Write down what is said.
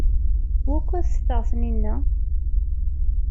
Wukud teffeɣ Taninna?